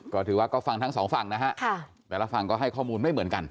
ก็ถือว่าก็ฟังทั้งสองฝั่งนะฮะแต่ละฝั่งก็ให้ข้อมูลไม่เหมือนกัน